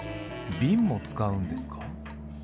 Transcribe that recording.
ビンも使うんですか？